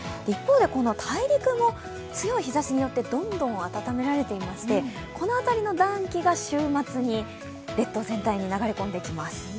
一方で、大陸も強い日ざしによってどんどん温められていまして、この辺りの暖気が週末に列島全体に流れ込んできます。